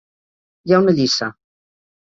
Hi ha una llissa.